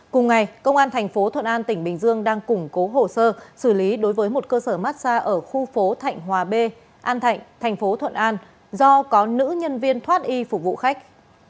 cùng ngày công an thành phố thuận an tỉnh bình dương đang củng cố hồ sơ xử lý đối với một cơ sở massage ở khu phố thạnh hòa b an thạnh thành phố thuận an do có nữ nhân viên thoát y phục vụ khách